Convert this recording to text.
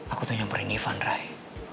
aku tuh nyamperin ivan rai